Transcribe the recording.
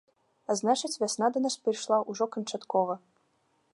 А значыць, вясна да нас прыйшла ўжо канчаткова.